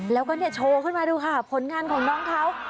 แล้วก็เนี่ยโชว์ขึ้นมาดูค่ะผลงานของน้องเขา